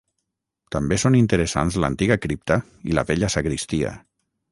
També són interessants l'antiga cripta i la vella sagristia.